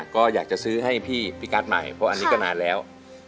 ก็อยากจะซื้อให้พี่กัสใหม่เพราะอันนี้ก็นานแล้ว